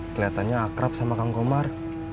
kelihatannya akrab sama kang komar